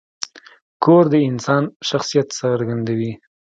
کور د انسان شخصیت څرګندوي.